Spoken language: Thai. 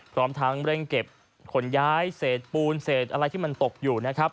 พร้อมทั้งเร่งเก็บขนย้ายเศษปูนเศษอะไรที่มันตกอยู่นะครับ